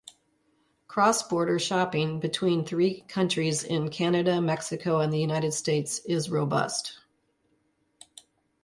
Cross-border shopping between three countries in Canada, Mexico, and the United States is robust.